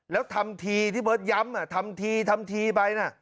แล้วทำทีที่เบิร์ตย้ำทำทีทำทีไปนะ